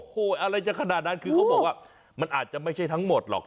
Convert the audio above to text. โอ้โหอะไรจะขนาดนั้นคือเขาบอกว่ามันอาจจะไม่ใช่ทั้งหมดหรอก